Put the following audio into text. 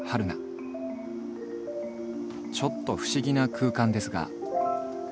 ちょっと不思議な空間ですが。